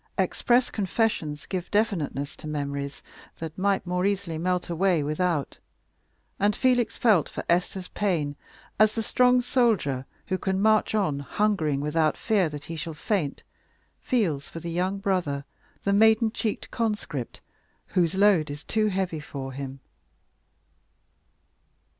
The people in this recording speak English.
Express confessions give definiteness to memories that might more easily melt away without; and Felix felt for Esther's pain as the strong soldier, who can march on hungering without fear that he shall faint, feels for the young brother the maiden cheeked conscript whose load is too heavy for him.